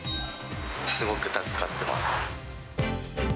すごく助かってます。